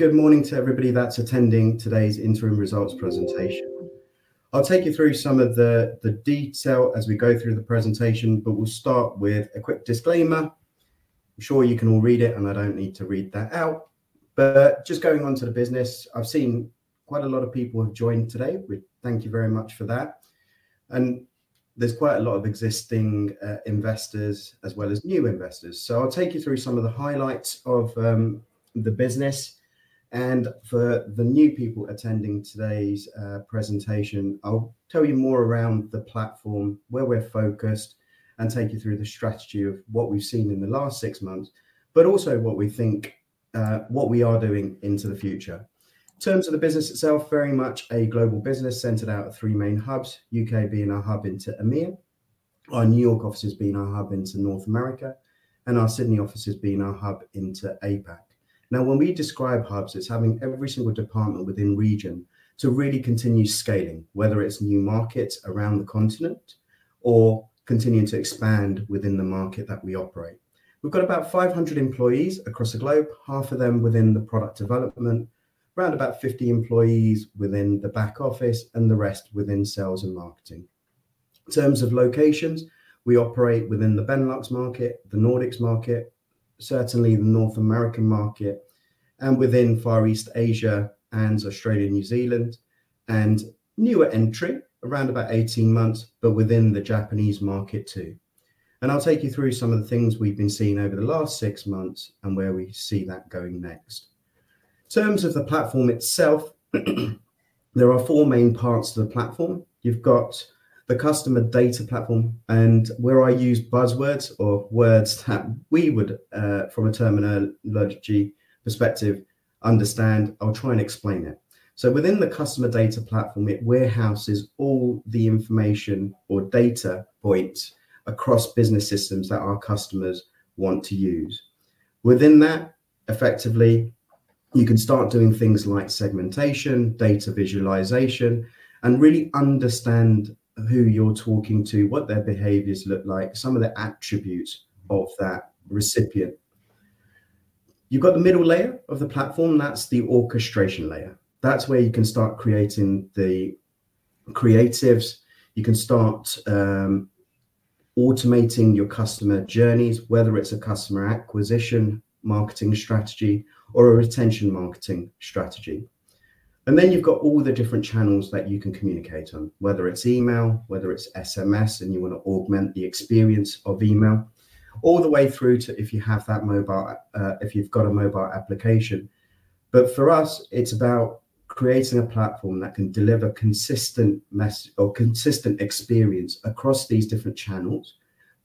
Good morning to everybody that's attending today's interim results presentation. I'll take you through some of the detail as we go through the presentation, but we will start with a quick disclaimer. I'm sure you can all read it, and I don't need to read that out. Going on to the business, I have seen quite a lot of people have joined today. Thank you very much for that. There are quite a lot of existing investors as well as new investors. I'll take you through some of the highlights of the business. For the new people attending today's presentation, I'll tell you more around the platform, where we're focused, and take you through the strategy of what we've seen in the last six months, but also what we think we are doing into the future. In terms of the business itself, very much a global business centered out of three main hubs: U.K. being our hub into EMEA, our New York office being our hub into North America, and our Sydney office being our hub into APAC. Now, when we describe hubs, it's having every single department within region to really continue scaling, whether it's new markets around the continent or continuing to expand within the market that we operate. We've got about 500 employees across the globe, half of them within the product development, around about 50 employees within the back office, and the rest within sales and marketing. In terms of locations, we operate within the Benelux market, the Nordics market, certainly the North American market, and within Far East Asia and Australia, New Zealand, and newer entry, around about 18 months, but within the Japanese market too. I'll take you through some of the things we've been seeing over the last six months and where we see that going next. In terms of the platform itself, there are four main parts to the platform. You've got the Customer Data Platform, and where I use buzzwords or words that we would, from a terminology perspective, understand, I'll try and explain it. Within the Customer Data Platform, it warehouses all the information or data points across business systems that our customers want to use. Within that, effectively, you can start doing things like segmentation, data visualization, and really understand who you're talking to, what their behaviors look like, some of the attributes of that recipient. You've got the middle layer of the platform, and that's the Orchestration Layer. That's where you can start creating the creatives. You can start automating your customer journeys, whether it's a customer acquisition marketing strategy or a retention marketing strategy. You have all the different channels that you can communicate on, whether it's email, whether it's SMS, and you want to augment the experience of email, all the way through to if you have that mobile, if you've got a mobile application. For us, it's about creating a platform that can deliver a consistent message or consistent experience across these different channels,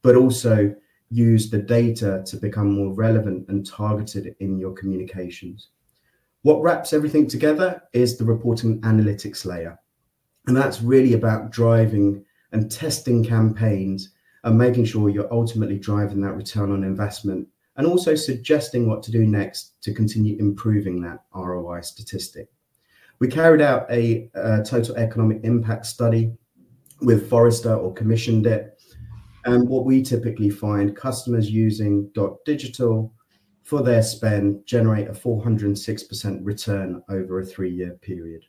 but also use the data to become more relevant and targeted in your communications. What wraps everything together is the reporting analytics layer. That's really about driving and testing campaigns and making sure you're ultimately driving that return on investment and also suggesting what to do next to continue improving that ROI statistic. We carried out a total economic impact study with Forrester or commissioned it. What we typically find, customers using Dotdigital for their spend generate a 406% return over a three-year period.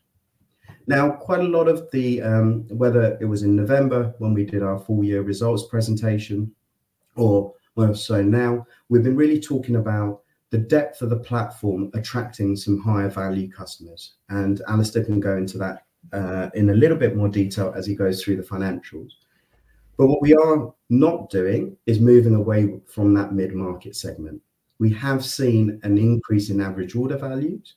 Quite a lot of the whether it was in November when we did our full-year results presentation or more so now, we have been really talking about the depth of the platform attracting some higher value customers. Alistair can go into that in a little bit more detail as he goes through the financials. What we are not doing is moving away from that mid-market segment. We have seen an increase in average order values.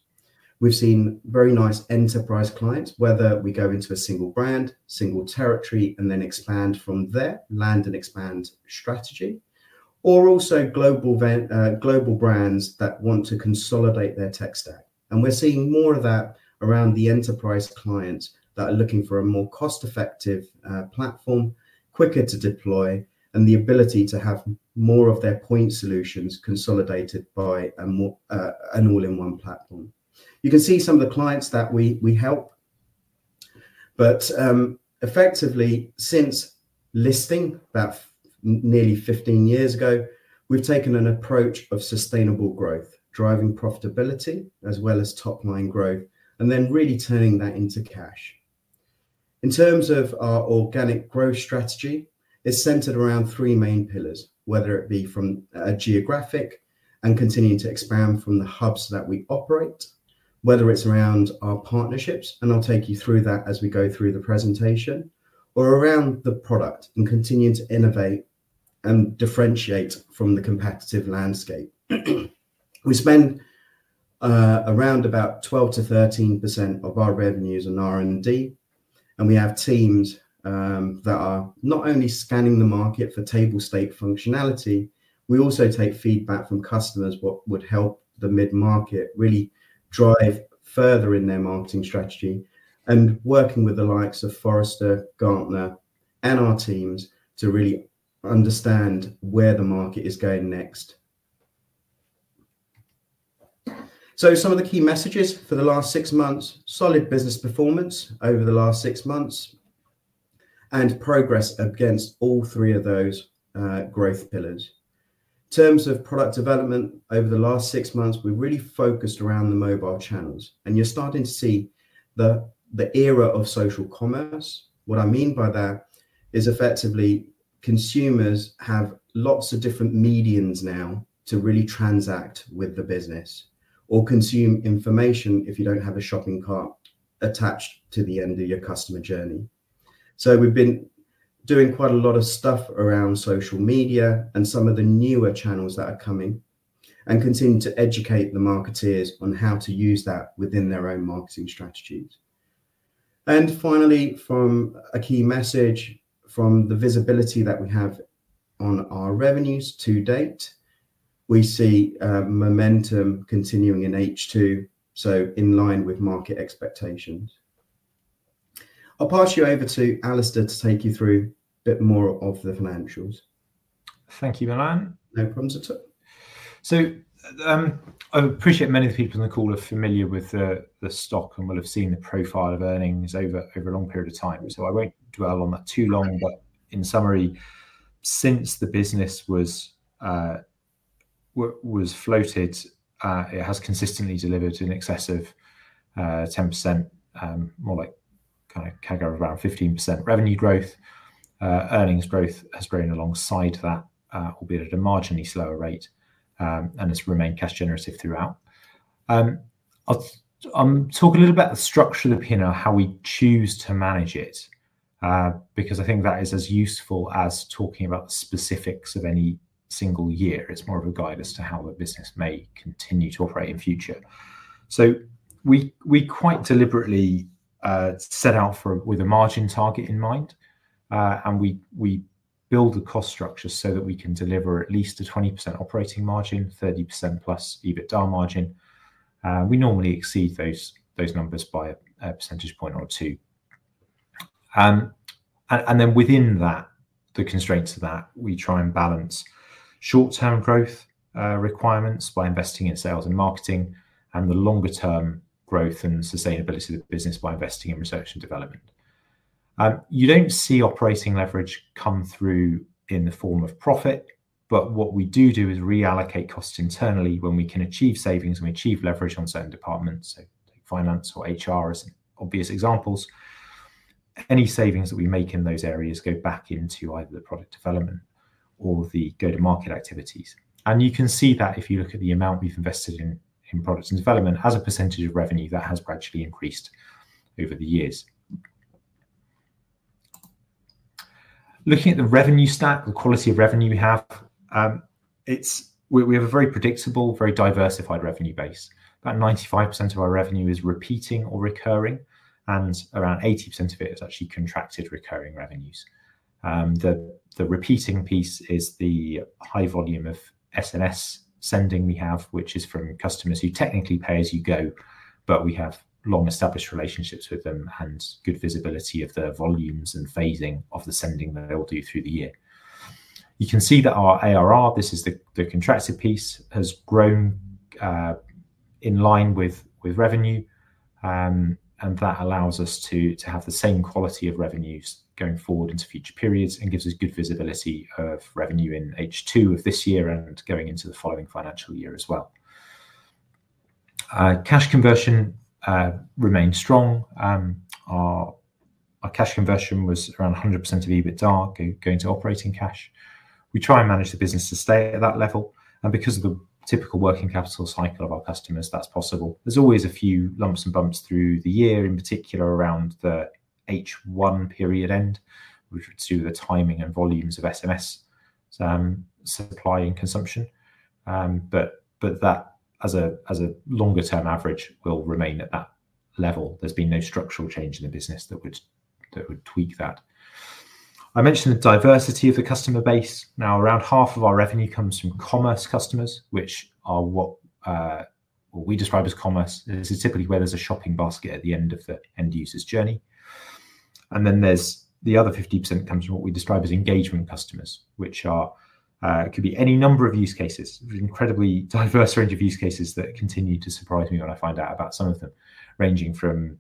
We have seen very nice enterprise clients, whether we go into a single brand, single territory, and then expand from there, land and expand strategy, or also global brands that want to consolidate their tech stack. We're seeing more of that around the enterprise clients that are looking for a more cost-effective platform, quicker to deploy, and the ability to have more of their point solutions consolidated by an all-in-one platform. You can see some of the clients that we help. Effectively, since listing about nearly 15 years ago, we've taken an approach of sustainable growth, driving profitability as well as top-line growth, and then really turning that into cash. In terms of our organic growth strategy, it's centered around three main pillars, whether it be from a geographic and continuing to expand from the hubs that we operate, whether it's around our partnerships, and I'll take you through that as we go through the presentation, or around the product and continuing to innovate and differentiate from the competitive landscape. We spend around about 12%-13% of our revenues in R&D, and we have teams that are not only scanning the market for table stake functionality, we also take feedback from customers what would help the mid-market really drive further in their marketing strategy and working with the likes of Forrester, Gartner, and our teams to really understand where the market is going next. Some of the key messages for the last six months, solid business performance over the last six months, and progress against all three of those growth pillars. In terms of product development, over the last six months, we've really focused around the mobile channels. You're starting to see the era of social commerce. What I mean by that is effectively consumers have lots of different mediums now to really transact with the business or consume information if you do not have a shopping cart attached to the end of your customer journey. We have been doing quite a lot of stuff around social media and some of the newer channels that are coming and continuing to educate the marketeers on how to use that within their own marketing strategies. Finally, from a key message from the visibility that we have on our revenues to date, we see momentum continuing in H2, in line with market expectations. I will pass you over to Alistair to take you through a bit more of the financials. Thank you, Milan. No problems at all. I appreciate many of the people in the call are familiar with the stock and will have seen the profile of earnings over a long period of time. I will not dwell on that too long. In summary, since the business was floated, it has consistently delivered in excess of 10%, more like kind of CAGR around 15% revenue growth. Earnings growth has grown alongside that, albeit at a marginally slower rate, and has remained cash-generative throughout. I will talk a little bit about the structure of the P&L, how we choose to manage it, because I think that is as useful as talking about the specifics of any single year. It is more of a guide as to how the business may continue to operate in future. We quite deliberately set out with a margin target in mind, and we build a cost structure so that we can deliver at least a 20% operating margin, 30%+ EBITDA margin. We normally exceed those numbers by a percentage point or two. Within that, the constraints of that, we try and balance short-term growth requirements by investing in sales and marketing and the longer-term growth and sustainability of the business by investing in research and development. You do not see operating leverage come through in the form of profit, but what we do do is reallocate costs internally when we can achieve savings and achieve leverage on certain departments. Finance or HR are obvious examples. Any savings that we make in those areas go back into either the product development or the go-to-market activities. You can see that if you look at the amount we've invested in products and development as a percentage of revenue, that has gradually increased over the years. Looking at the revenue stack, the quality of revenue we have, we have a very predictable, very diversified revenue base. About 95% of our revenue is repeating or recurring, and around 80% of it is actually contracted recurring revenues. The repeating piece is the high volume of SMS sending we have, which is from customers who technically pay as you go, but we have long-established relationships with them and good visibility of the volumes and phasing of the sending that they will do through the year. You can see that our ARR, this is the contracted piece, has grown in line with revenue, and that allows us to have the same quality of revenues going forward into future periods and gives us good visibility of revenue in H2 of this year and going into the following financial year as well. Cash conversion remains strong. Our cash conversion was around 100% of EBITDA going to operating cash. We try and manage the business to stay at that level. Because of the typical working capital cycle of our customers, that's possible. There's always a few lumps and bumps through the year, in particular around the H1 period end, which is due to the timing and volumes of SMS supply and consumption. That, as a longer-term average, will remain at that level. There's been no structural change in the business that would tweak that. I mentioned the diversity of the customer base. Now, around half of our revenue comes from commerce customers, which are what we describe as commerce. This is typically where there is a shopping basket at the end of the end user's journey. There is the other 50% that comes from what we describe as engagement customers, which could be any number of use cases, an incredibly diverse range of use cases that continue to surprise me when I find out about some of them, ranging from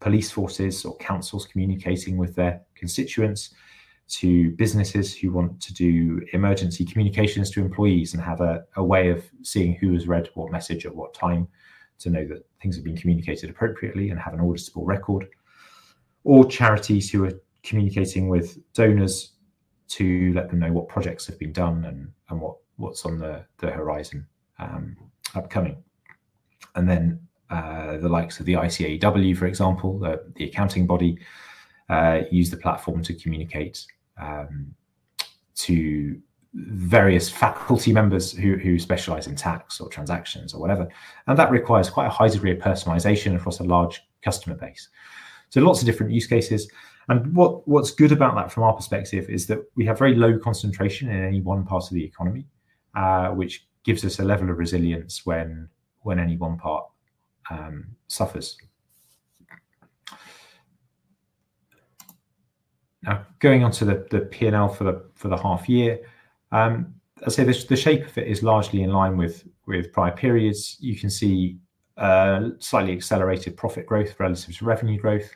police forces or councils communicating with their constituents to businesses who want to do emergency communications to employees and have a way of seeing who has read what message at what time to know that things have been communicated appropriately and have an auditable record, or charities who are communicating with donors to let them know what projects have been done and what is on the horizon upcoming. The likes of the ICAEW, for example, the accounting body, use the platform to communicate to various faculty members who specialize in tax or transactions or whatever. That requires quite a high degree of personalization across a large customer base. Lots of different use cases. What's good about that from our perspective is that we have very low concentration in any one part of the economy, which gives us a level of resilience when any one part suffers. Now, going on to the P&L for the half year, I'd say the shape of it is largely in line with prior periods. You can see slightly accelerated profit growth relative to revenue growth.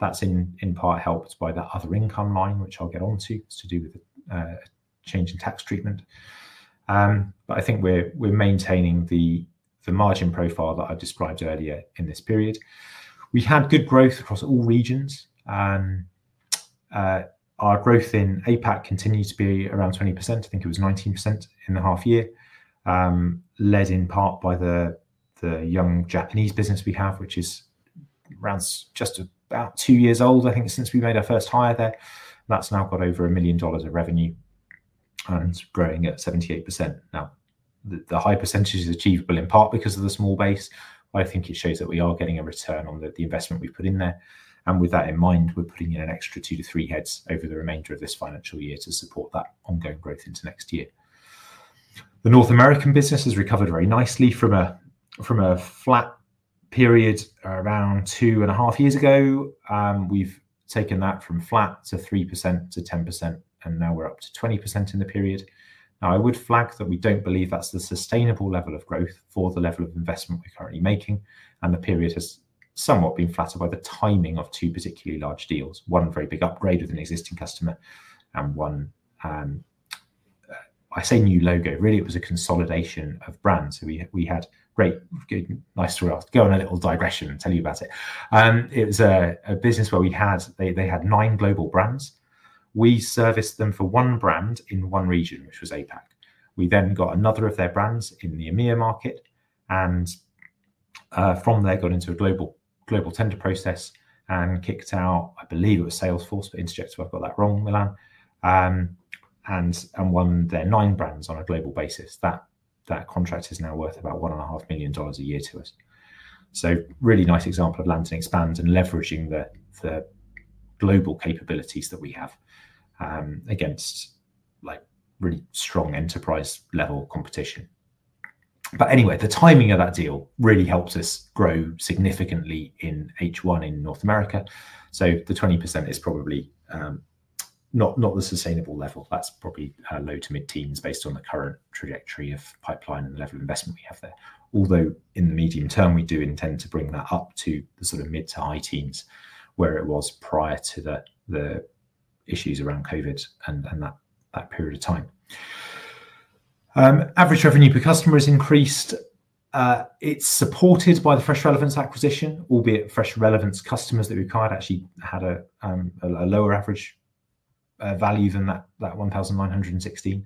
That's in part helped by the other income line, which I'll get on to, to do with a change in tax treatment. I think we're maintaining the margin profile that I described earlier in this period. We had good growth across all regions. Our growth in APAC continues to be around 20%. I think it was 19% in the half year, led in part by the young Japanese business we have, which is around just about two years old, I think, since we made our first hire there. That's now got over $1 million of revenue and growing at 78% now. The high percentage is achievable in part because of the small base. I think it shows that we are getting a return on the investment we've put in there. With that in mind, we're putting in an extra two to three heads over the remainder of this financial year to support that ongoing growth into next year. The North American business has recovered very nicely from a flat period around two and a half years ago. We've taken that from flat to 3%-10%, and now we're up to 20% in the period. Now, I would flag that we don't believe that's the sustainable level of growth for the level of investment we're currently making. The period has somewhat been flattered by the timing of two particularly large deals, one very big upgrade with an existing customer and one, I say new logo. Really, it was a consolidation of brands. So we had great, nice to go on a little digression and tell you about it. It was a business where they had nine global brands. We serviced them for one brand in one region, which was APAC. We then got another of their brands in the EMEA market. From there, got into a global tender process and kicked out, I believe it was Salesforce, but Interjector, I've got that wrong, Milan, and won their nine brands on a global basis. That contract is now worth about $1.5 million a year to us. Really nice example of land and expand and leveraging the global capabilities that we have against really strong enterprise-level competition. Anyway, the timing of that deal really helps us grow significantly in H1 in North America. The 20% is probably not the sustainable level. That is probably low to mid-teens based on the current trajectory of pipeline and the level of investment we have there. Although in the medium term, we do intend to bring that up to the sort of mid to high teens where it was prior to the issues around COVID and that period of time. Average revenue per customer has increased. It is supported by the Fresh Relevance acquisition, albeit Fresh Relevance customers that we have actually had a lower average value than that 1,916.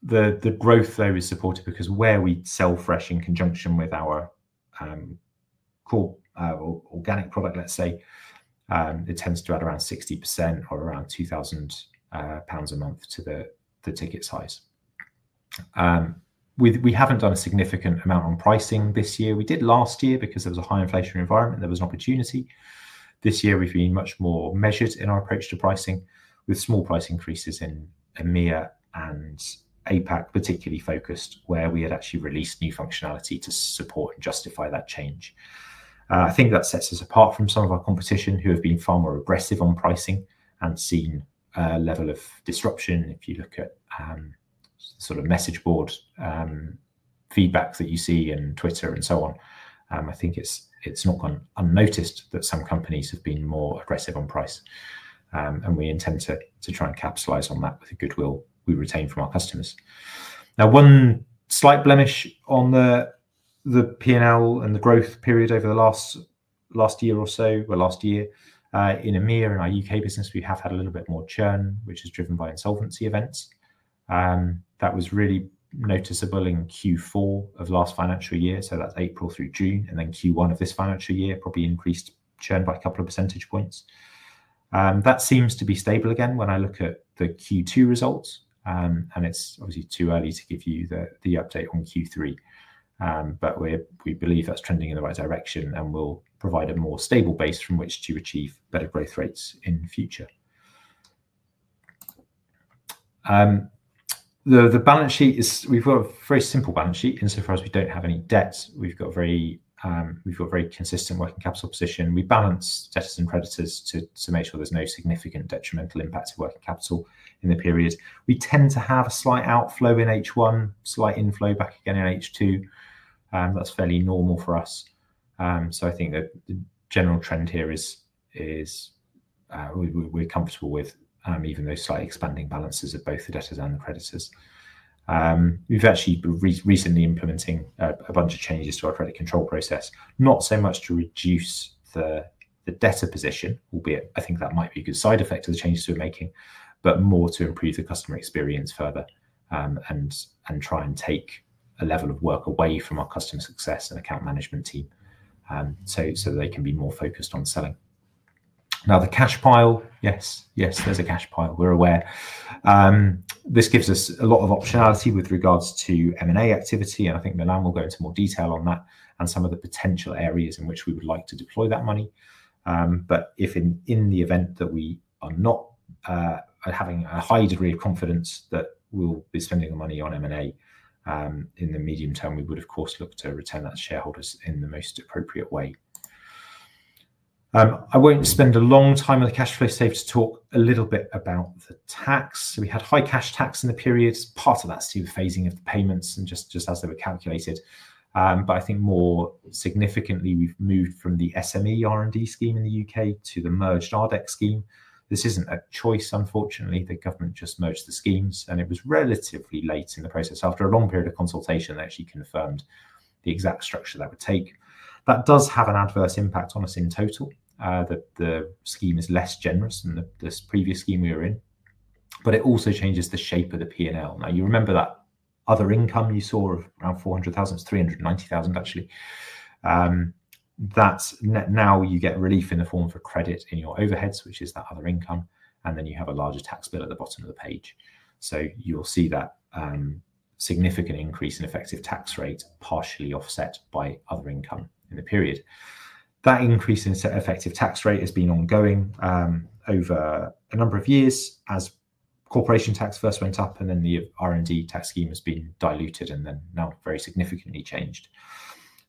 The growth, though, is supported because where we sell Fresh Relevance in conjunction with our core organic product, let's say, it tends to add around 60% or around 2,000 pounds a month to the ticket size. We haven't done a significant amount on pricing this year. We did last year because there was a high inflationary environment. There was an opportunity. This year, we've been much more measured in our approach to pricing with small price increases in EMEA and APAC, particularly focused where we had actually released new functionality to support and justify that change. I think that sets us apart from some of our competition who have been far more aggressive on pricing and seen a level of disruption. If you look at the sort of message board feedback that you see and Twitter and so on, I think it's not unnoticed that some companies have been more aggressive on price. We intend to try and capitalize on that with the goodwill we retain from our customers. Now, one slight blemish on the P&L and the growth period over the last year or so, or last year. In EMEA and our U.K. business, we have had a little bit more churn, which is driven by insolvency events. That was really noticeable in Q4 of last financial year. That's April through June. Q1 of this financial year probably increased churn by a couple of percentage points. That seems to be stable again when I look at the Q2 results. It's obviously too early to give you the update on Q3. We believe that's trending in the right direction and will provide a more stable base from which to achieve better growth rates in future. The balance sheet is we've got a very simple balance sheet insofar as we don't have any debts. We've got very consistent working capital position. We balance debtors and creditors to make sure there's no significant detrimental impact to working capital in the period. We tend to have a slight outflow in H1, slight inflow back again in H2. That's fairly normal for us. I think the general trend here is we're comfortable with even those slightly expanding balances of both the debtors and the creditors. We've actually recently been implementing a bunch of changes to our credit control process, not so much to reduce the debtor position, albeit I think that might be a good side effect of the changes we're making, but more to improve the customer experience further and try and take a level of work away from our customer success and account management team so they can be more focused on selling. Now, the cash pile, yes, yes, there's a cash pile. We're aware. This gives us a lot of optionality with regards to M&A activity. I think Milan will go into more detail on that and some of the potential areas in which we would like to deploy that money. If in the event that we are not having a high degree of confidence that we'll be spending the money on M&A in the medium term, we would, of course, look to return that to shareholders in the most appropriate way. I won't spend a long time on the cash flow, save to talk a little bit about the tax. We had high cash tax in the periods, part of that through the phasing of the payments and just as they were calculated. I think more significantly, we've moved from the SME R&D scheme in the U.K. to the merged RDEC scheme. This isn't a choice, unfortunately. The government just merged the schemes, and it was relatively late in the process. After a long period of consultation, it actually confirmed the exact structure that would take. That does have an adverse impact on us in total. The scheme is less generous than the previous scheme we were in, but it also changes the shape of the P&L. Now, you remember that other income you saw of around $400,000, it's $390,000, actually. Now you get relief in the form of a credit in your overheads, which is that other income, and then you have a larger tax bill at the bottom of the page. You will see that significant increase in effective tax rate partially offset by other income in the period. That increase in effective tax rate has been ongoing over a number of years as corporation tax first went up and then the R&D tax scheme has been diluted and then now very significantly changed.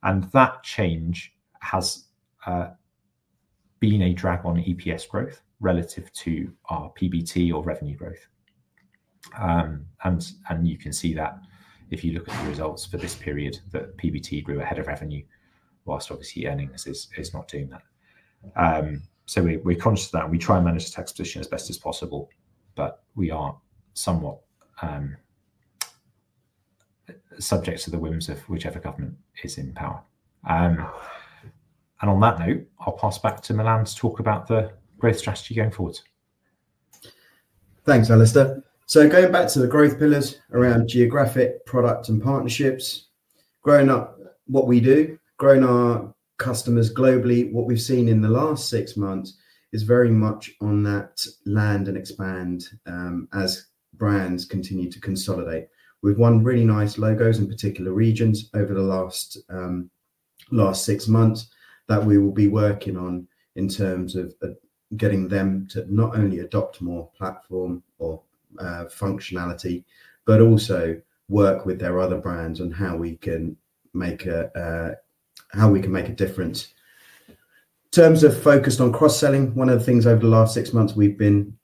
That change has been a drag on EPS growth relative to our PBT or revenue growth. You can see that if you look at the results for this period, that PBT grew ahead of revenue, whilst obviously earnings is not doing that. We are conscious of that. We try and manage the tax position as best as possible, but we are somewhat subject to the whims of whichever government is in power. On that note, I'll pass back to Milan to talk about the growth strategy going forward. Thanks, Alistair. Going back to the growth pillars around geographic, product, and partnerships, growing up what we do, growing our customers globally, what we've seen in the last six months is very much on that land and expand as brands continue to consolidate. We've won really nice logos in particular regions over the last six months that we will be working on in terms of getting them to not only adopt more platform or functionality, but also work with their other brands on how we can make a difference. In terms of focused on cross-selling, one of the things over the last six months we've been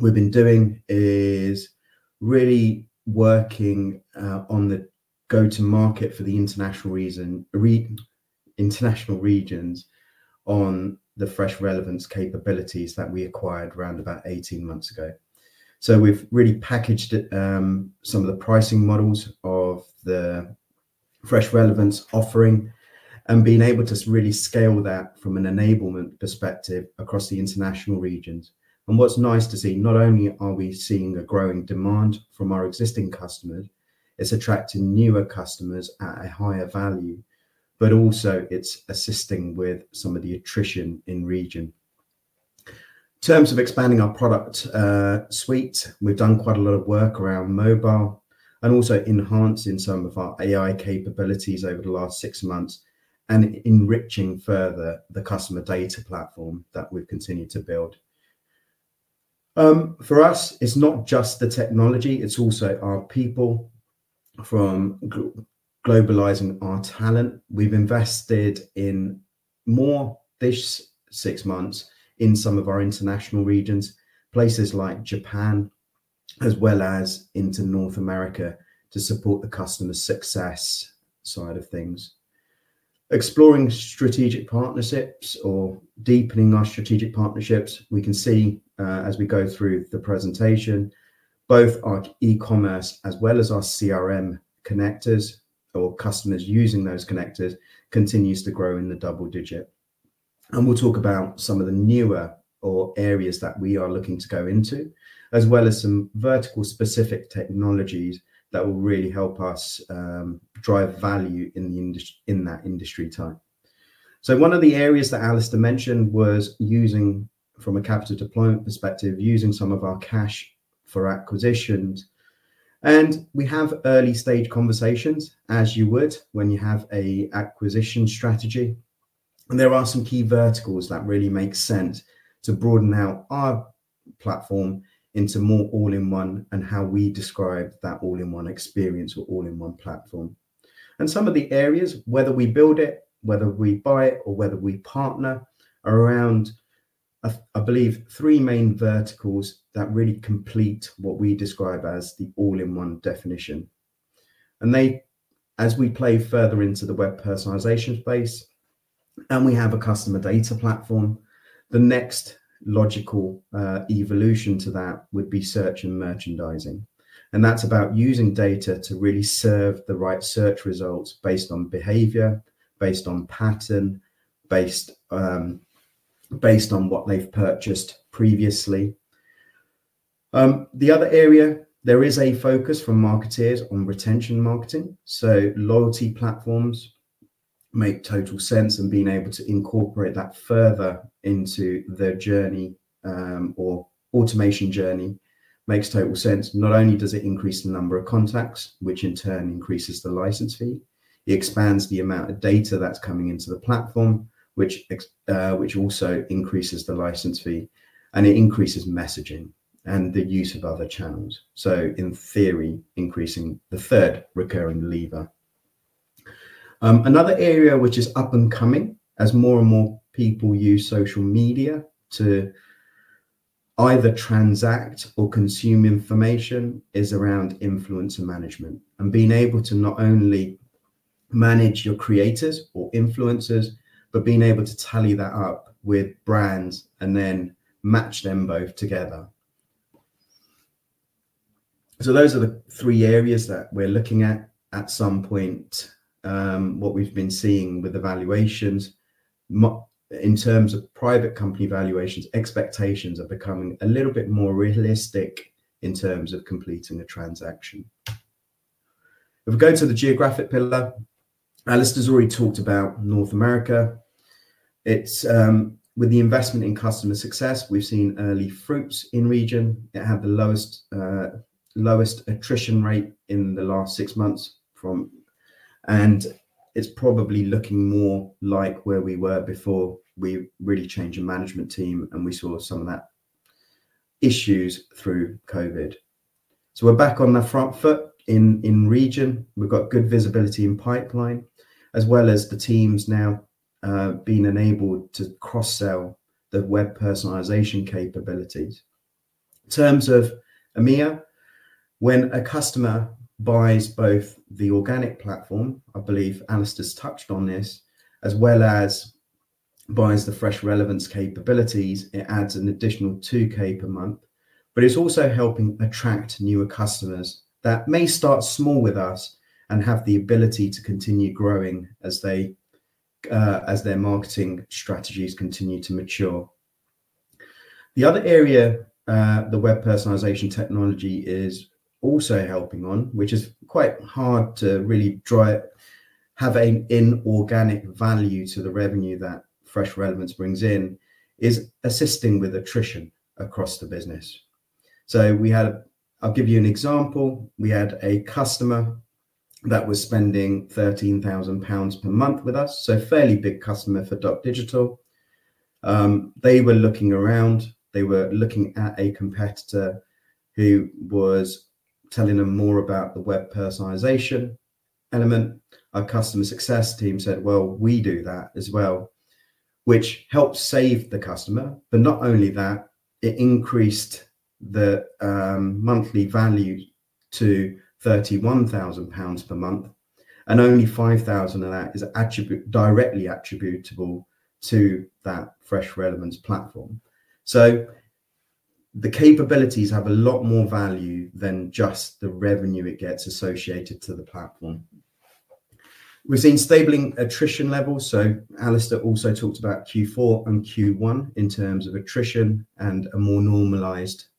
doing is really working on the go-to-market for the international regions on the Fresh Relevance capabilities that we acquired around about 18 months ago. We've really packaged some of the pricing models of the Fresh Relevance offering and been able to really scale that from an enablement perspective across the international regions. What's nice to see, not only are we seeing a growing demand from our existing customers, it's attracting newer customers at a higher value, but also it's assisting with some of the attrition in region. In terms of expanding our product suite, we've done quite a lot of work around mobile and also enhancing some of our AI capabilities over the last six months and enriching further the customer data platform that we've continued to build. For us, it's not just the technology. It's also our people from globalizing our talent. We've invested in more this six months in some of our international regions, places like Japan, as well as into North America to support the customer success side of things. Exploring strategic partnerships or deepening our strategic partnerships, we can see as we go through the presentation, both our e-commerce as well as our CRM connectors or customers using those connectors continues to grow in the double digit. We will talk about some of the newer areas that we are looking to go into, as well as some vertical-specific technologies that will really help us drive value in that industry time. One of the areas that Alistair mentioned was using, from a capital deployment perspective, using some of our cash for acquisitions. We have early-stage conversations, as you would when you have an acquisition strategy. There are some key verticals that really make sense to broaden out our platform into more all-in-one and how we describe that all-in-one experience or all-in-one platform. Some of the areas, whether we build it, whether we buy it, or whether we partner around, I believe, three main verticals that really complete what we describe as the all-in-one definition. As we play further into the web personalization space and we have a customer data platform, the next logical evolution to that would be search and merchandising. That is about using data to really serve the right search results based on behavior, based on pattern, based on what they've purchased previously. The other area, there is a focus from marketers on retention marketing. Loyalty platforms make total sense, and being able to incorporate that further into the journey or automation journey makes total sense. Not only does it increase the number of contacts, which in turn increases the license fee, it expands the amount of data that's coming into the platform, which also increases the license fee, and it increases messaging and the use of other channels. In theory, increasing the third recurring lever. Another area which is up and coming as more and more people use social media to either transact or consume information is around influencer management and being able to not only manage your creators or influencers, but being able to tally that up with brands and then match them both together. Those are the three areas that we're looking at at some point. What we've been seeing with the valuations in terms of private company valuations, expectations are becoming a little bit more realistic in terms of completing a transaction. If we go to the geographic pillar, Alistair's already talked about North America. With the investment in customer success, we've seen early fruits in region. It had the lowest attrition rate in the last six months. It's probably looking more like where we were before we really changed the management team, and we saw some of that issues through COVID. We are back on the front foot in region. We've got good visibility in pipeline, as well as the teams now being enabled to cross-sell the web personalization capabilities. In terms of EMEA, when a customer buys both the organic platform, I believe Alistair's touched on this, as well as buys the Fresh Relevance capabilities, it adds an additional $2,000 per month. But it's also helping attract newer customers that may start small with us and have the ability to continue growing as their marketing strategies continue to mature. The other area the web personalization technology is also helping on, which is quite hard to really have an inorganic value to the revenue that Fresh Relevance brings in, is assisting with attrition across the business. I'll give you an example. We had a customer that was spending 13,000 pounds per month with us, so a fairly big customer for Dotdigital. They were looking around. They were looking at a competitor who was telling them more about the web personalization element. Our customer success team said, "Well, we do that as well," which helped save the customer. Not only that, it increased the monthly value to 31,000 pounds per month. Only 5,000 of that is directly attributable to that Fresh Relevance platform. The capabilities have a lot more value than just the revenue it gets associated to the platform. We've seen stabling attrition levels. Alistair also talked about Q4 and Q1 in terms of attrition and a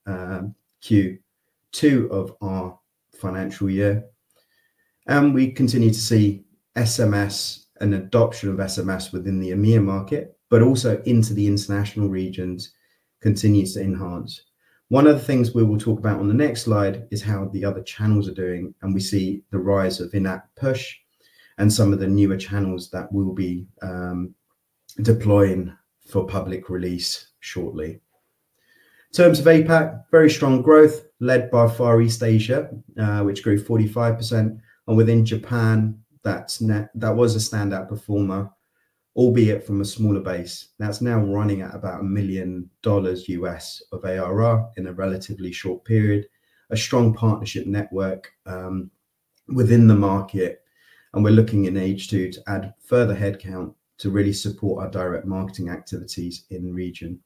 more normalized Q2 of our financial year. We continue to see SMS and adoption of SMS within the EMEA market, but also into the international regions continues to enhance. One of the things we will talk about on the next slide is how the other channels are doing, and we see the rise of in-app push and some of the newer channels that we'll be deploying for public release shortly. In terms of APAC, very strong growth led by Far East Asia, which grew 45%. Within Japan, that was a standout performer, albeit from a smaller base. That's now running at about $1 million of ARR in a relatively short period, a strong partnership network within the market. We are looking in H2 to add further headcount to really support our direct marketing activities in region.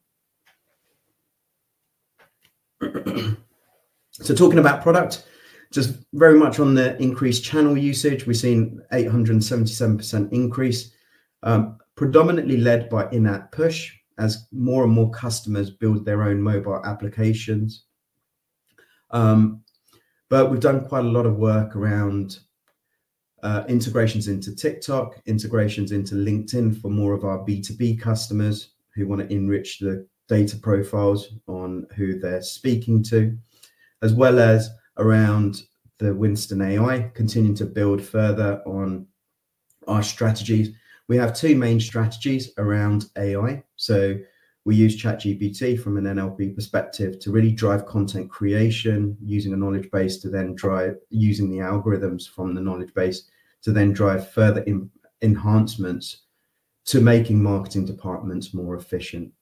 Talking about product, just very much on the increased channel usage, we've seen an 877% increase, predominantly led by in-app push as more and more customers build their own mobile applications. We've done quite a lot of work around integrations into TikTok, integrations into LinkedIn for more of our B2B customers who want to enrich the data profiles on who they're speaking to, as well as around the WinstonAI, continuing to build further on our strategies. We have two main strategies around AI. We use ChatGPT from an NLP perspective to really drive content creation, using a knowledge base to then drive using the algorithms from the knowledge base to then drive further enhancements to making marketing departments more efficient.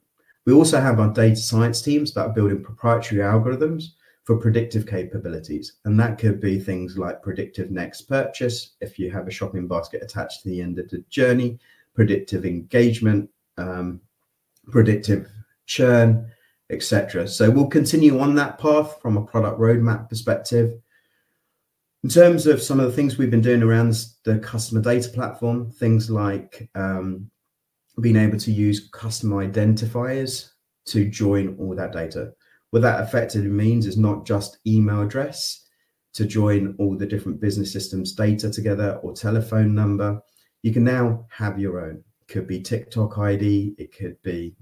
We also have our data science teams that are building proprietary algorithms for predictive capabilities. That could be things like predictive next purchase if you have a shopping basket attached to the end of the journey, predictive engagement, predictive churn, etc. We will continue on that path from a product roadmap perspective. In terms of some of the things we have been doing around the customer data platform, things like being able to use customer identifiers to join all that data. What that effectively means is not just email address to join all the different business systems data together or telephone number. You can now have your own. It could be TikTok ID. It could be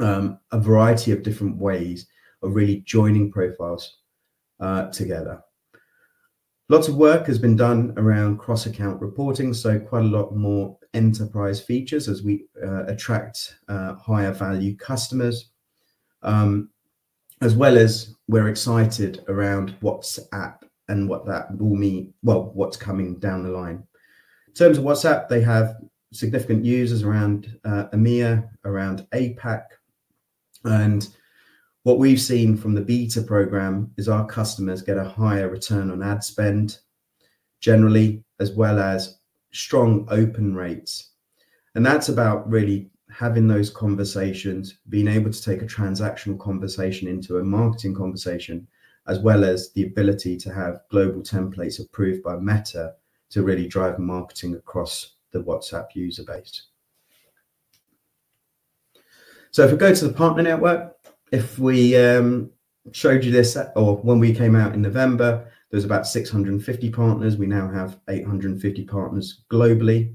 a variety of different ways of really joining profiles together. Lots of work has been done around cross-account reporting, so quite a lot more enterprise features as we attract higher-value customers, as well as we're excited around WhatsApp and what that will mean, what's coming down the line. In terms of WhatsApp, they have significant users around EMEA, around APAC. What we've seen from the beta program is our customers get a higher return on ad spend generally, as well as strong open rates. That's about really having those conversations, being able to take a transactional conversation into a marketing conversation, as well as the ability to have global templates approved by Meta to really drive marketing across the WhatsApp user base. If we go to the partner network, if we showed you this or when we came out in November, there was about 650 partners. We now have 850 partners globally.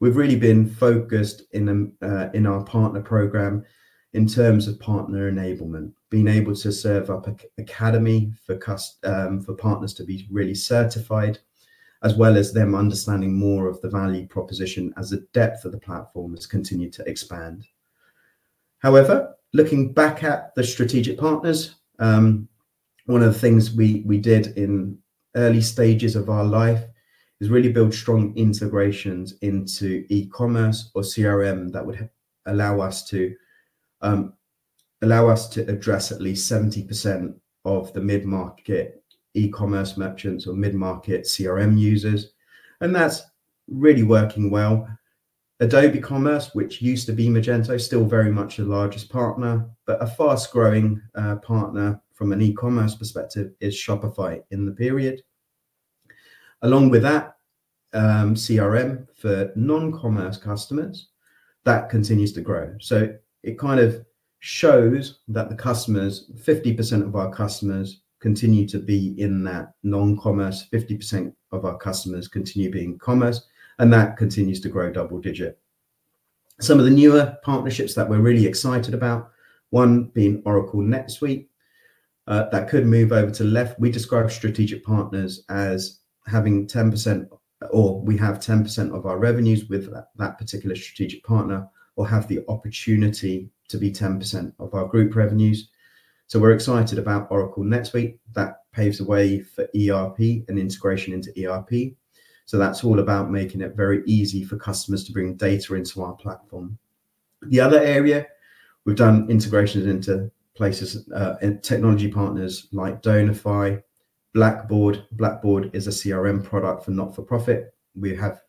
We've really been focused in our partner program in terms of partner enablement, being able to serve up an academy for partners to be really certified, as well as them understanding more of the value proposition as the depth of the platform has continued to expand. However, looking back at the strategic partners, one of the things we did in early stages of our life is really build strong integrations into e-commerce or CRM that would allow us to address at least 70% of the mid-market e-commerce merchants or mid-market CRM users. That's really working well. Adobe Commerce, which used to be Magento, still very much the largest partner, but a fast-growing partner from an e-commerce perspective is Shopify in the period. Along with that, CRM for non-commerce customers, that continues to grow. It kind of shows that the customers, 50% of our customers continue to be in that non-commerce, 50% of our customers continue being commerce, and that continues to grow double digit. Some of the newer partnerships that we're really excited about, one being Oracle NetSuite, that could move over to left. We describe strategic partners as having 10% or we have 10% of our revenues with that particular strategic partner or have the opportunity to be 10% of our group revenues. We are excited about Oracle NetSuite. That paves the way for ERP and integration into ERP. That's all about making it very easy for customers to bring data into our platform. The other area, we've done integrations into technology partners like Donorfy, Blackbaud. Blackbaud is a CRM product for not-for-profit. We have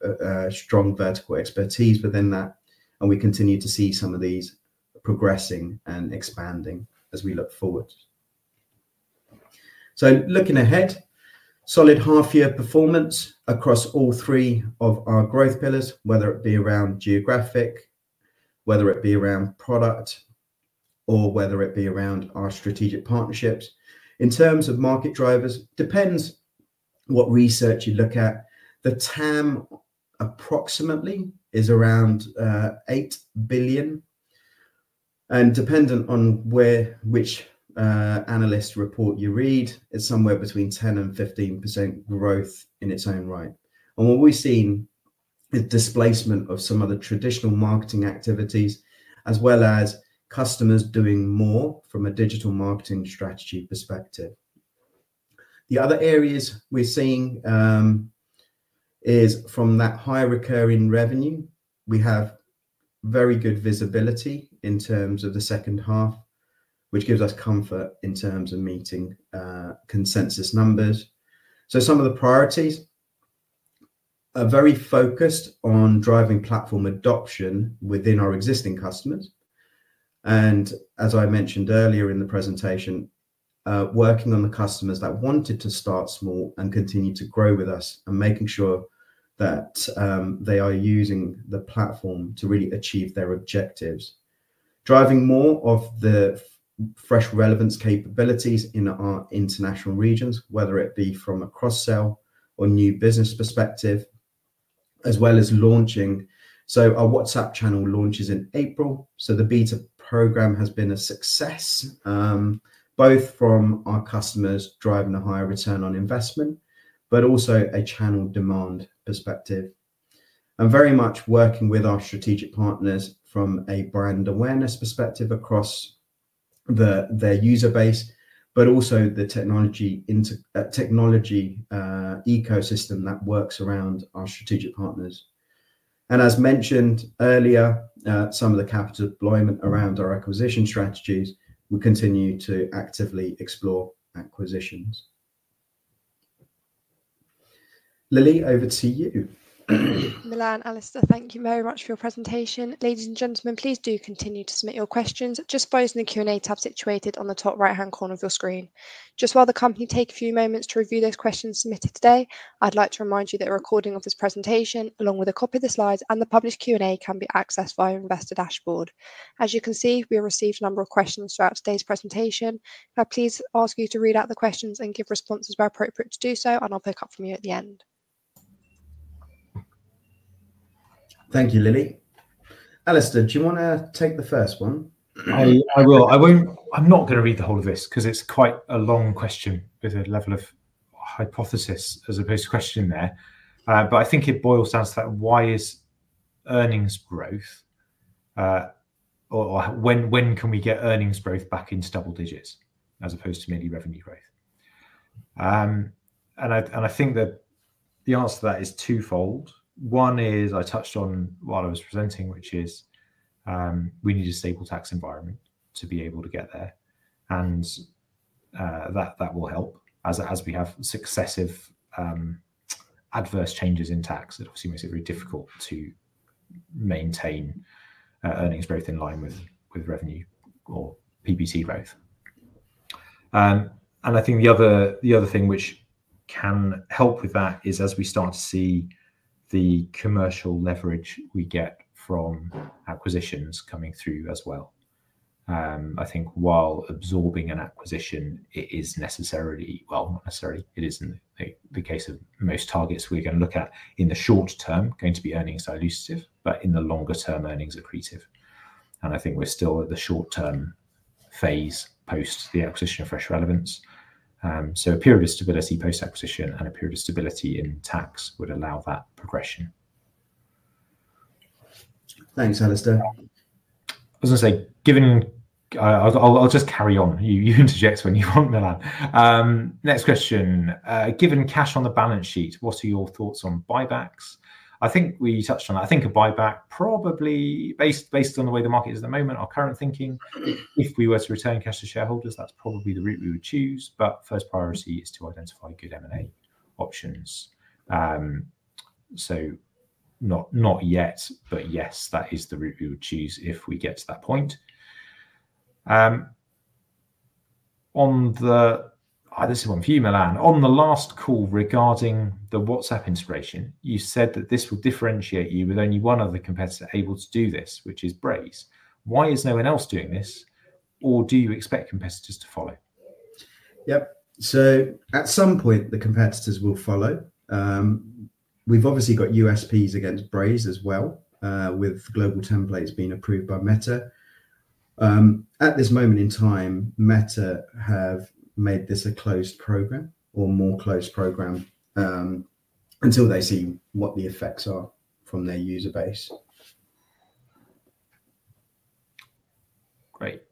strong vertical expertise within that, and we continue to see some of these progressing and expanding as we look forward. Looking ahead, solid half-year performance across all three of our growth pillars, whether it be around geographic, whether it be around product, or whether it be around our strategic partnerships. In terms of market drivers, depends what research you look at. The TAM approximately is around $8 billion. Dependent on which analyst report you read, it's somewhere between 10%-15% growth in its own right. What we've seen is displacement of some of the traditional marketing activities, as well as customers doing more from a digital marketing strategy perspective. The other areas we're seeing is from that high recurring revenue. We have very good visibility in terms of the second half, which gives us comfort in terms of meeting consensus numbers. Some of the priorities are very focused on driving platform adoption within our existing customers. As I mentioned earlier in the presentation, working on the customers that wanted to start small and continue to grow with us and making sure that they are using the platform to really achieve their objectives. Driving more of the Fresh Relevance capabilities in our international regions, whether it be from a cross-sell or new business perspective, as well as launching. Our WhatsApp channel launches in April. The beta program has been a success, both from our customers driving a higher return on investment, but also a channel demand perspective. are very much working with our strategic partners from a brand awareness perspective across their user base, but also the technology ecosystem that works around our strategic partners. As mentioned earlier, some of the capital deployment around our acquisition strategies, we continue to actively explore acquisitions. Lily, over to you. Milan and Alistair, thank you very much for your presentation. Ladies and gentlemen, please do continue to submit your questions just by using the Q&A tab situated on the top right-hand corner of your screen. While the company takes a few moments to review those questions submitted today, I'd like to remind you that a recording of this presentation, along with a copy of the slides and the published Q&A, can be accessed via our investor dashboard. As you can see, we received a number of questions throughout today's presentation. I'll please ask you to read out the questions and give responses where appropriate to do so, and I'll pick up from you at the end. , Thank you, Lily. Alistair, do you want to take the first one? I will. I'm not going to read the whole of this because it's quite a long question with a level of hypothesis as opposed to question there. I think it boils down to that. Why is earnings growth or when can we get earnings growth back into double digits as opposed to mainly revenue growth? I think that the answer to that is twofold. One is I touched on while I was presenting, which is we need a stable tax environment to be able to get there. That will help as we have successive adverse changes in tax that obviously makes it very difficult to maintain earnings growth in line with revenue or PBT growth. I think the other thing which can help with that is as we start to see the commercial leverage we get from acquisitions coming through as well. I think while absorbing an acquisition, it is necessarily, well, not necessarily. It is in the case of most targets we're going to look at in the short term, going to be earnings dilutive, but in the longer term, earnings accretive. I think we're still at the short-term phase post the acquisition of Fresh Relevance. A period of stability post-acquisition and a period of stability in tax would allow that progression. Thanks, Alistair. I was going to say, given I'll just carry on. You interject when you want, Milan. Next question. Given cash on the balance sheet, what are your thoughts on buybacks? I think we touched on that. I think a buyback probably based on the way the market is at the moment, our current thinking, if we were to return cash to shareholders, that's probably the route we would choose. First priority is to identify good M&A options. Not yet, but yes, that is the route we would choose if we get to that point. This is one for you, Milan. On the last call regarding the WhatsApp integration, you said that this will differentiate you with only one other competitor able to do this, which is Braze. Why is no one else doing this? Or do you expect competitors to follow? Yep. At some point, the competitors will follow. We've obviously got USPs against Braze as well, with global templates being approved by Meta. At this moment in time, Meta have made this a closed program or more closed program until they see what the effects are from their user base. Great.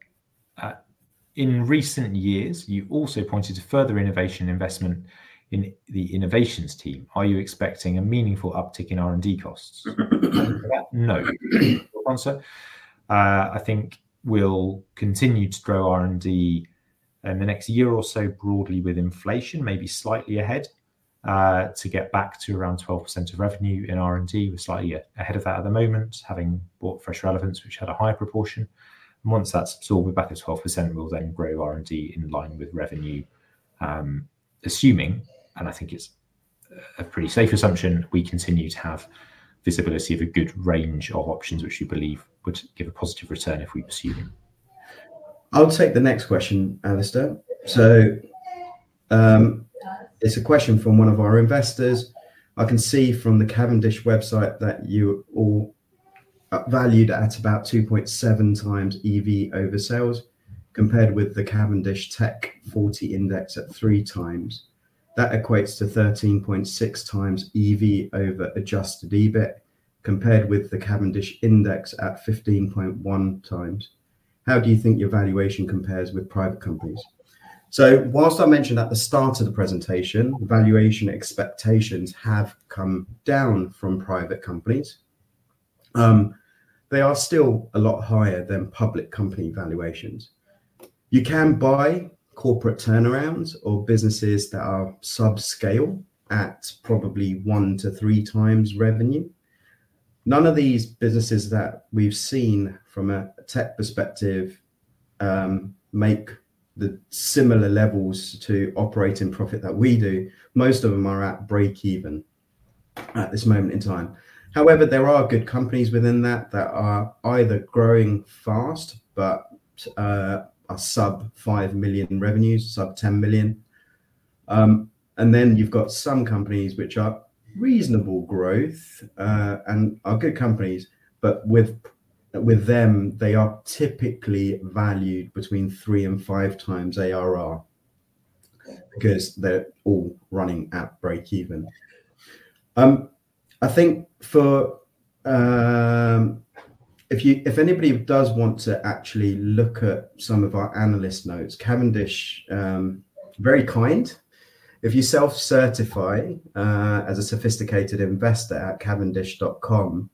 In recent years, you also pointed to further innovation investment in the innovations team. Are you expecting a meaningful uptick in R&D costs? No. I think we'll continue to grow R&D in the next year or so broadly with inflation, maybe slightly ahead to get back to around 12% of revenue in R&D. We're slightly ahead of that at the moment, having bought Fresh Relevance, which had a high proportion. Once that's absorbed back to 12%, we'll then grow R&D in line with revenue, assuming, and I think it's a pretty safe assumption, we continue to have visibility of a good range of options, which we believe would give a positive return if we pursue them. I'll take the next question, Alistair. It is a question from one of our investors. I can see from the Cavendish website that you are all valued at about 2.7 times EV over sales compared with the Cavendish Tech 40 index at 3x. That equates to 13.6 times EV over adjusted EBIT compared with the Cavendish index at 15.1x. How do you think your valuation compares with private companies? Whilst I mentioned at the start of the presentation, valuation expectations have come down from private companies. They are still a lot higher than public company valuations. You can buy corporate turnarounds or businesses that are subscale at probably 1-3x revenue. None of these businesses that we have seen from a tech perspective make the similar levels to operating profit that we do. Most of them are at break-even at this moment in time. However, there are good companies within that that are either growing fast but are sub-$5 million revenues, sub-$10 million. Then you've got some companies which are reasonable growth and are good companies, but with them, they are typically valued between three and five times ARR because they're all running at break-even. I think if anybody does want to actually look at some of our analyst notes, Cavendish, very kind. If you self-certify as a sophisticated investor at cavendish.com,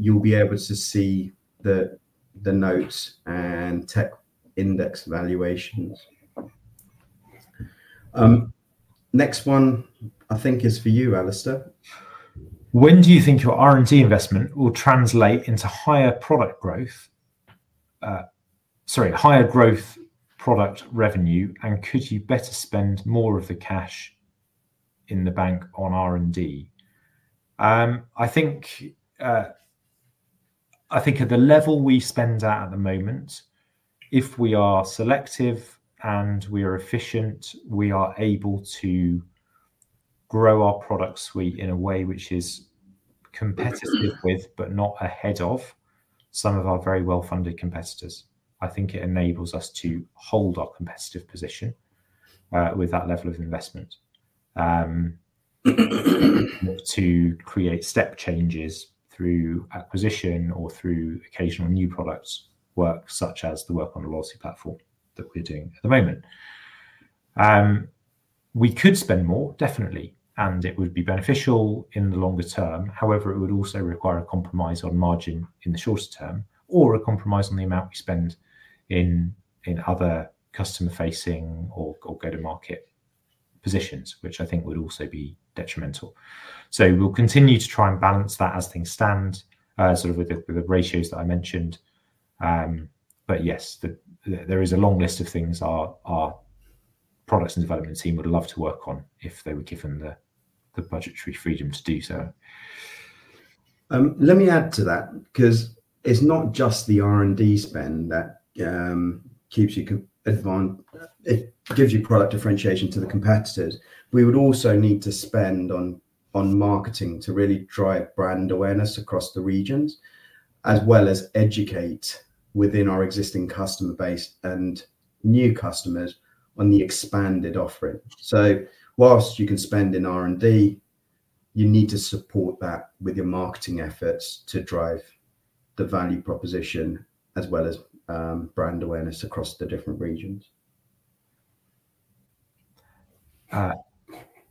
you'll be able to see the notes and tech index valuations. Next one, I think, is for you, Alistair. When do you think your R&D investment will translate into higher product growth? Sorry, higher growth product revenue, and could you better spend more of the cash in the bank on R&D? I think at the level we spend at at the moment, if we are selective and we are efficient, we are able to grow our product suite in a way which is competitive with but not ahead of some of our very well-funded competitors. I think it enables us to hold our competitive position with that level of investment to create step changes through acquisition or through occasional new products work, such as the work on the loyalty platform that we're doing at the moment. We could spend more, definitely, and it would be beneficial in the longer term. However, it would also require a compromise on margin in the shorter term or a compromise on the amount we spend in other customer-facing or go-to-market positions, which I think would also be detrimental. We will continue to try and balance that as things stand, sort of with the ratios that I mentioned. Yes, there is a long list of things our products and development team would love to work on if they were given the budgetary freedom to do so. Let me add to that because it is not just the R&D spend that keeps you advanced. It gives you product differentiation to the competitors. We would also need to spend on marketing to really drive brand awareness across the regions, as well as educate within our existing customer base and new customers on the expanded offering. Whilst you can spend in R&D, you need to support that with your marketing efforts to drive the value proposition as well as brand awareness across the different regions.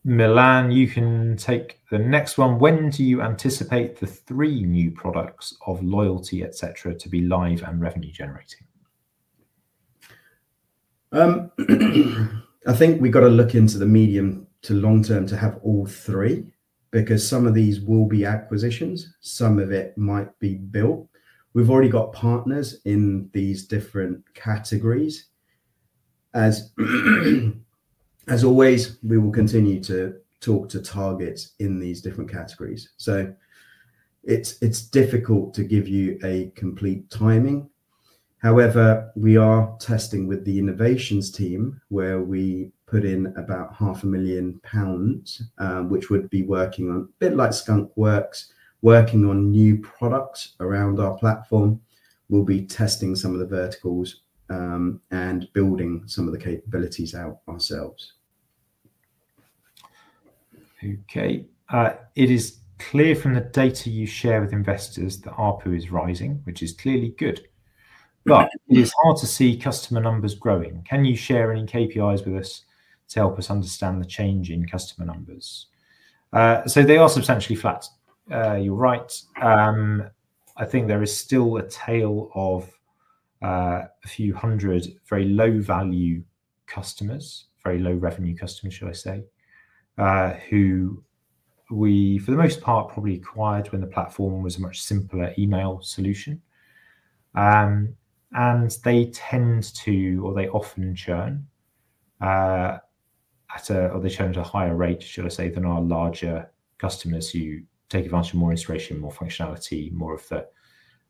Milan, you can take the next one. When do you anticipate the three new products of loyalty, etc., to be live and revenue-generating? I think we've got to look into the medium to long term to have all three because some of these will be acquisitions. Some of it might be built. We've already got partners in these different categories. As always, we will continue to talk to targets in these different categories. It is difficult to give you a complete timing. However, we are testing with the innovations team where we put in about 0.5 million pounds, which would be working on a bit like Skunk Works, working on new products around our platform. We'll be testing some of the verticals and building some of the capabilities out ourselves. Okay. It is clear from the data you share with investors that ARPU is rising, which is clearly good. It is hard to see customer numbers growing. Can you share any KPIs with us to help us understand the change in customer numbers? They are substantially flat. You're right. I think there is still a tail of a few hundred very low-value customers, very low-revenue customers, shall I say, who we, for the most part, probably acquired when the platform was a much simpler email solution. They tend to, or they often churn at a, or they churn at a higher rate, shall I say, than our larger customers who take advantage of more inspiration, more functionality, more of the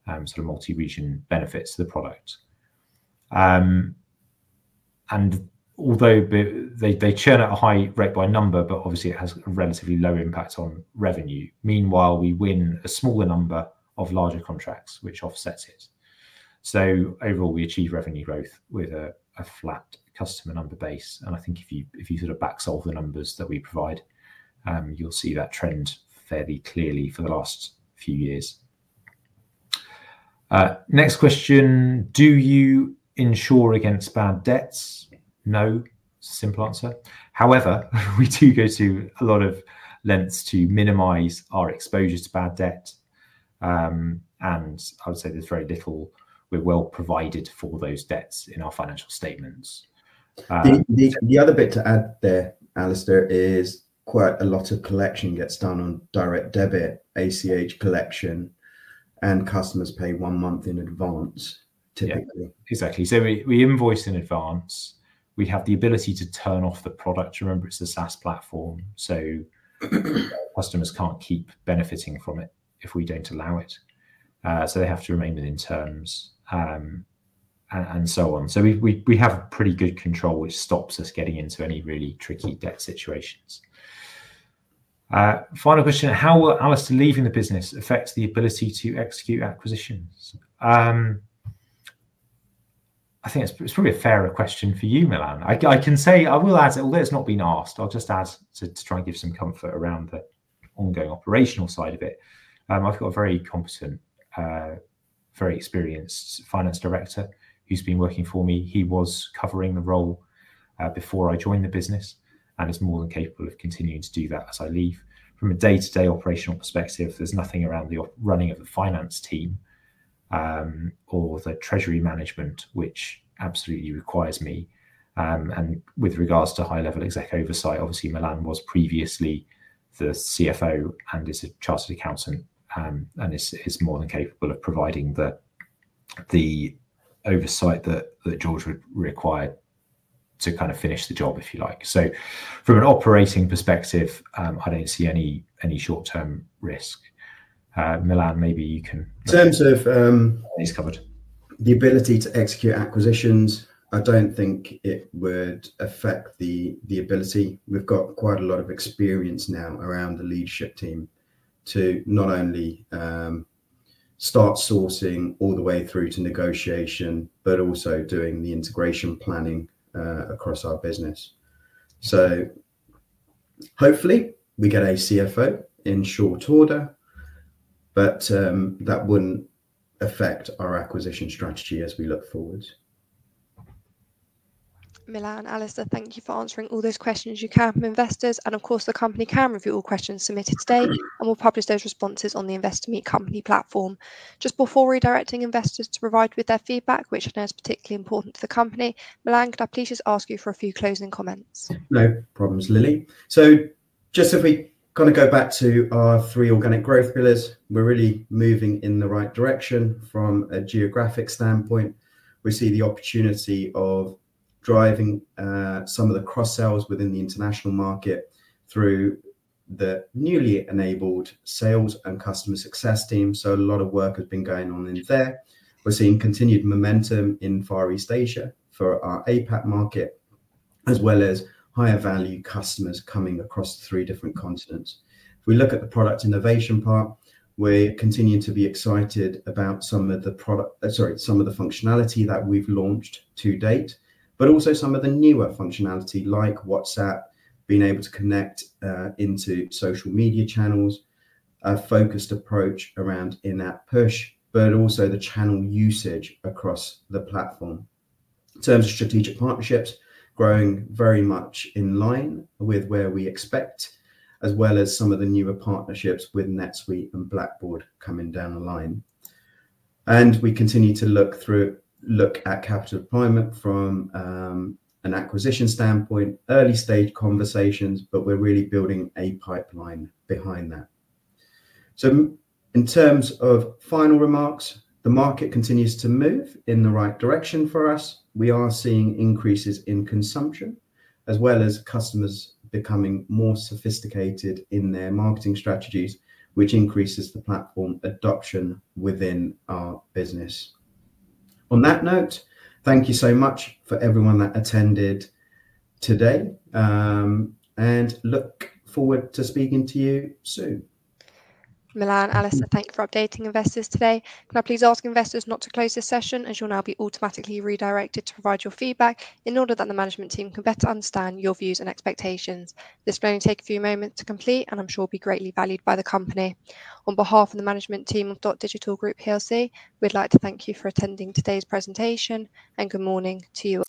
sort of multi-region benefits of the product. Although they churn at a high rate by number, it obviously has a relatively low impact on revenue. Meanwhile, we win a smaller number of larger contracts, which offsets it. Overall, we achieve revenue growth with a flat customer number base. I think if you sort of backsolve the numbers that we provide, you'll see that trend fairly clearly for the last few years. Next question. Do you insure against bad debts? No. Simple answer. However, we do go to a lot of lengths to minimize our exposure to bad debt. I would say there's very little, we're well provided for those debts in our financial statements. The other bit to add there, Alistair, is quite a lot of collection gets done on direct debit, ACH collection, and customers pay one month in advance, typically. Exactly. We invoice in advance. We have the ability to turn off the product. Remember, it's a SaaS platform. Customers can't keep benefiting from it if we don't allow it. They have to remain within terms and so on. We have pretty good control, which stops us getting into any really tricky debt situations. Final question. How will Alistair leaving the business affect the ability to execute acquisitions? I think it's probably a fairer question for you, Milan. I can say I will add, although it's not been asked, I'll just add to try and give some comfort around the ongoing operational side of it. I've got a very competent, very experienced finance director who's been working for me. He was covering the role before I joined the business and is more than capable of continuing to do that as I leave. From a day-to-day operational perspective, there's nothing around the running of the finance team or the treasury management, which absolutely requires me. With regards to high-level exec oversight, obviously, Milan was previously the CFO and is a chartered accountant and is more than capable of providing the oversight that George would require to kind of finish the job, if you like. From an operating perspective, I do not see any short-term risk. Milan, maybe you can. In terms of— He's covered. The ability to execute acquisitions, I do not think it would affect the ability. We have quite a lot of experience now around the leadership team to not only start sourcing all the way through to negotiation, but also doing the integration planning across our business. Hopefully, we get a CFO in short order, but that would not affect our acquisition strategy as we look forward. Milan, Alistair, thank you for answering all those questions you can. Investors, and of course, the company can review all questions submitted today and will publish those responses on the Investor Meet Company platform. Just before redirecting investors to provide their feedback, which I know is particularly important to the company, Milan, could I please just ask you for a few closing comments? No problems, Lily. If we kind of go back to our three organic growth pillars, we're really moving in the right direction from a geographic standpoint. We see the opportunity of driving some of the cross-sells within the international market through the newly enabled sales and customer success team. A lot of work has been going on in there. We're seeing continued momentum in Far East Asia for our APAC market, as well as higher-value customers coming across three different continents. If we look at the product innovation part, we're continuing to be excited about some of the product, sorry, some of the functionality that we've launched to date, but also some of the newer functionality like WhatsApp, being able to connect into social media channels, a focused approach around in-app push, but also the channel usage across the platform. In terms of strategic partnerships, growing very much in line with where we expect, as well as some of the newer partnerships with NetSuite and Blackbaud coming down the line. We continue to look at capital deployment from an acquisition standpoint, early-stage conversations, but we're really building a pipeline behind that. In terms of final remarks, the market continues to move in the right direction for us. We are seeing increases in consumption, as well as customers becoming more sophisticated in their marketing strategies, which increases the platform adoption within our business. On that note, thank you so much for everyone that attended today. I look forward to speaking to you soon. Milan, Alistair, thank you for updating investors today. Can I please ask investors not to close this session as you'll now be automatically redirected to provide your feedback in order that the management team can better understand your views and expectations? This will only take a few moments to complete, and I'm sure it will be greatly valued by the company. On behalf of the management team of Dotdigital Group, we'd like to thank you for attending today's presentation, and good morning to you.